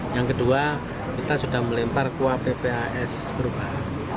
yang kedua kita sudah melempar kuah ppas berubah